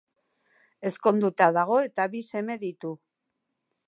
Ezkonduta dago eta bi seme ditu.